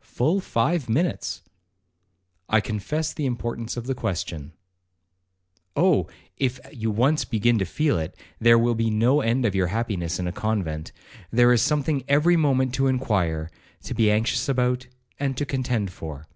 'Full five minutes.' 'I confess the importance of the question.' 'Oh! if you once begin to feel it, there will be no end of your happiness in a convent. There is something every moment to inquire, to be anxious about, and to contend for.